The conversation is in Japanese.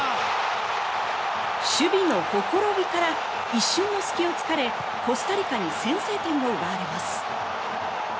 守備のほころびから一瞬の隙を突かれコスタリカに先制点を奪われます。